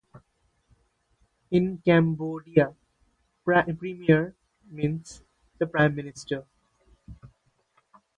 In Cambodia, "Premier" means the "Prime Minister".